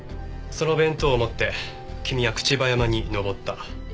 その弁当を持って君は朽葉山に登った。